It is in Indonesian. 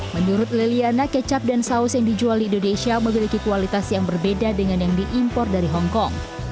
menurut liliana kecap dan saus yang dijual di indonesia memiliki kualitas yang berbeda dengan yang diimpor dari hongkong